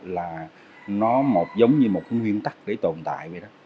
là nó giống như một cái nguyên tắc để tồn tại vậy đó